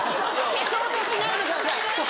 消そうとしないでください。